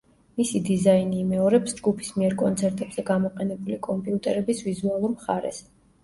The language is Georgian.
მისი დიზაინი იმეორებს ჯგუფის მიერ კონცერტებზე გამოყენებული კომპიუტერების ვიზუალურ მხარეს.